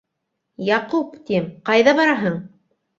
- Яҡуп, тим, ҡайҙа бараһың?